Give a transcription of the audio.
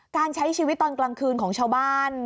การใช้ชีวิตตอนกลางคืนของชาวบ้าน